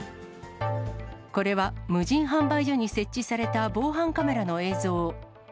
これは無人販売所に設置された防犯カメラの映像。